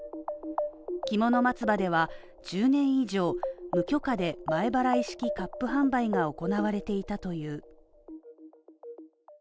きもの松葉では１０年以上無許可で前払式割賦販売が行われていたという。